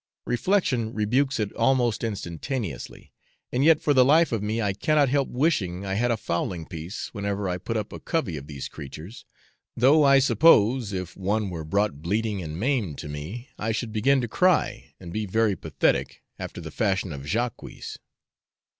Reflection rebukes it almost instantaneously, and yet for the life of me I cannot help wishing I had a fowling piece whenever I put up a covey of these creatures; though I suppose, if one were brought bleeding and maimed to me, I should begin to cry, and be very pathetic, after the fashion of Jacques.